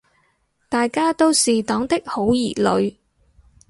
大家都是黨的好兒女